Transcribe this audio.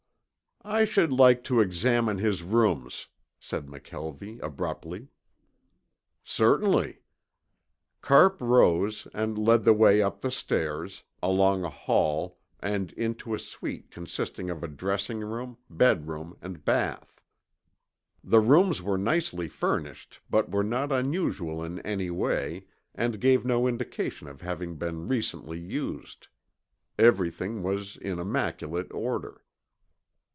"I should like to examine his rooms," said McKelvie abruptly. "Certainly." Carpe rose and led the way up the stairs, along a hall and into a suite consisting of a dressing room, bedroom, and bath. The rooms were nicely furnished but were not unusual in any way and gave no indication of having been recently used. Everything was in immaculate order.